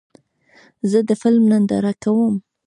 زه د فلم ننداره کوم.